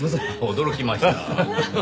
驚きました。